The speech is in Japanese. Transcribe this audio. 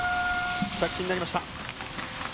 着地になりました。